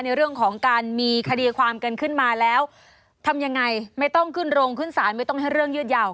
ในเรื่องของการมีคดีความกันขึ้นมาแล้วทำยังไงไม่ต้องขึ้นโรงขึ้นศาลไม่ต้องให้เรื่องยืดยาว